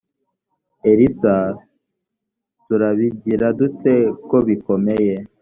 elisa turabigira dute kobikomeye.